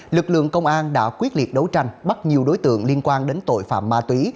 lực lượng công an đã quyết liệt đấu tranh bắt nhiều đối tượng liên quan đến tội phạm ma túy